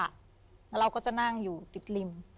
แล้วเราก็จะนั่งอยู่ติดริม